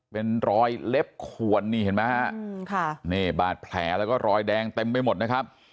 เป็นรอยเล็บขวนนี่เห็นไหมฮะนี่บาดแผลแล้วก็รอยแดงเต็มไปหมดนะครับ